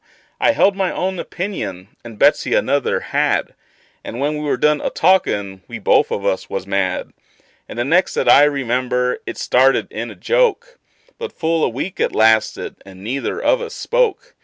I held my own opinion, and Betsey another had; And when we were done a talkin', we both of us was mad. And the next that I remember, it started in a joke; But full for a week it lasted, and neither of us spoke.